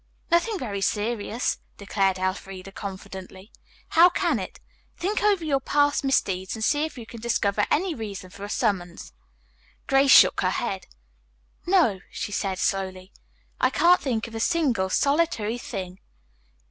"Nothing very serious," declared Elfreda confidently. "How can it? Think over your past misdeeds and see if you can discover any reason for a summons." Grace shook her head. "No," she said slowly. "I can't think of a single, solitary thing."